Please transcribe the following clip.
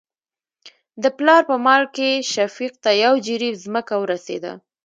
د پلار په مال کې شفيق ته يو جرېب ځمکه ورسېده.